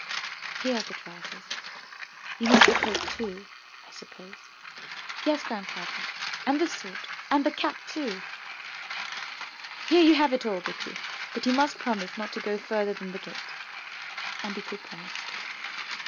Here are the trousers. You need the coat too, I suppose." "Yes, Grandfather, and the sword, and the cap too." "Here you have it all, Bikku, but you must promise not to go further than the gate." And Bikku promised.